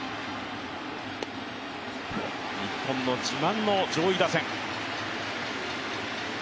日本の自慢の上位打線。